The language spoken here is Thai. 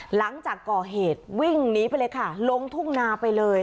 หลังจากก่อเหตุวิ่งหนีไปเลยค่ะลงทุ่งนาไปเลย